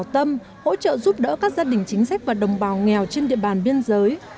tâm hỗ trợ giúp đỡ các gia đình chính sách và đồng bào nghèo trên địa bàn biên giới